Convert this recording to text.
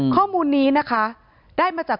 ข้อมูลนี้นะคะได้มาจาก